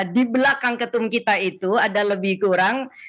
di belakang ketum kita itu ada lebih kurang